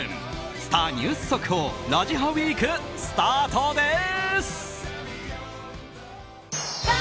スター☆ニュース速報「ラジハ」ウィークスタートです！